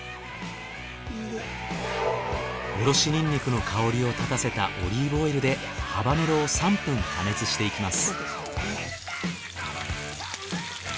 おろしニンニクの香りを立たせたオリーブオイルでハバネロを３分加熱していきます。